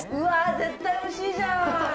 絶対おいしいじゃん！